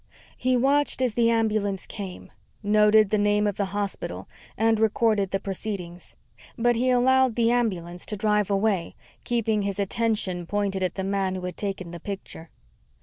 He watched as the ambulance came, noted the name of the hospital, and recorded the proceedings. But he allowed the ambulance to drive away, keeping his attention pointed at the man who had taken the picture.